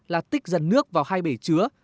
là tích dần nước vào hai bể chứa